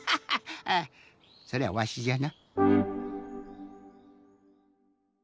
あそれはわしじゃな。